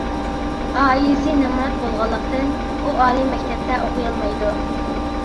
ئائىلىسى نامرات بولغانلىقتىن، ئۇ ئالىي مەكتەپتە ئوقۇيالمايدۇ.